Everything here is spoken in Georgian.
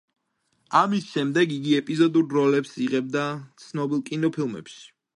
ამის შემდეგ იგი ეპიზოდურ როლებს იღებდა ცნობილ კინოფილმებში.